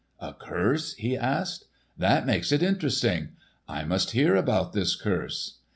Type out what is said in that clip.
"A curse?" he asked. "That makes it interesting! I must hear about this curse."